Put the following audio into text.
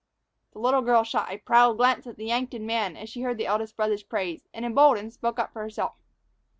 The little girl shot a proud glance at the Yankton man as she heard the eldest brother's praise, and, emboldened, spoke up for herself.